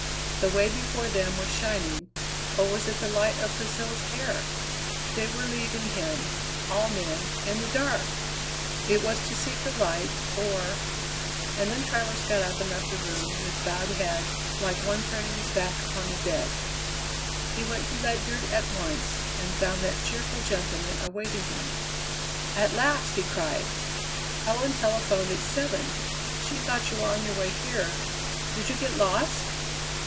The way before them was shining, or was it the light of Priscilla's hair? They were leaving him, all men, in the dark! It was to seek the light, or And then Travers got up and left the room with bowed head, like one turning his back upon the dead. He went to Ledyard at once, and found that cheerful gentleman awaiting him. "At last!" he cried. "Helen telephoned at seven. She thought you were on your way here. Did you get lost?"